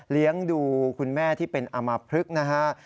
เลี้ยงดูคุณแม่ที่เป็นอามพลึกนะฮะ